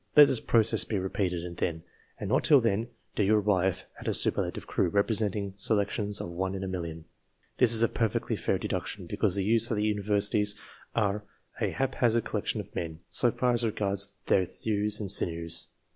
Let this process be repeated, and then, and not till then, do you arrive at ACCORDING TO THEIR REPUTATION 11 a superlative crew, representing selections of one in a million. This is a perfectly fair deduction, because the youths at the Universities are a hap hazard collection of men, so far as regards their thews and sinews.